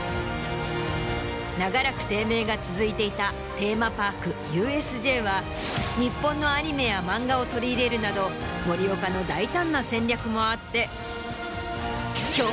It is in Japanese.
長らく低迷が続いていたテーマパークＵＳＪは日本のアニメや漫画を取り入れるなど森岡の大胆な戦略もあって。